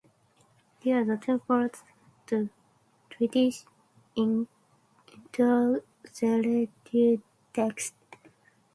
There are two parts to Titius's intercalated text.